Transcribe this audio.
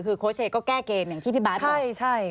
คือโค้ชเอกก็แก้เกมอย่างที่พี่บาทบอก